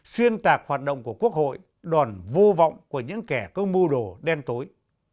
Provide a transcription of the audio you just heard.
xuyên tạc hoạt động của quốc hội đòn vô vọng của những kẻ có mưu đồ đen tối